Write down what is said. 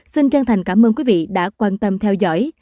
xin chân thành cảm ơn quý vị đã quan tâm theo dõi